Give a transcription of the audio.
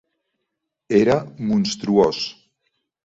Era monstruós.